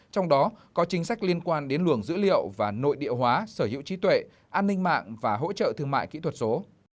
trong đó có chính sách liên quan đến luồng dữ liệu và nội địa hóa sở hữu trí tuệ an ninh mạng và hỗ trợ thương mại kỹ thuật số